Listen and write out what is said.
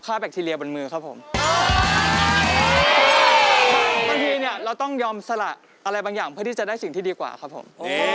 บางทีเนี่ยเราต้องยอมสละอะไรบางอย่างเพื่อที่จะได้สิ่งที่ดีกว่าครับผม